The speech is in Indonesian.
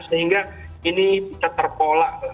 sehingga ini bisa terpolak